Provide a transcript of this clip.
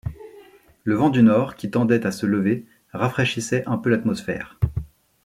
Le vent du nord, qui tendait à se lever, rafraîchissait un peu l’atmosphère.